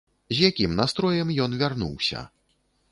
З якім настроем ён вярнуўся?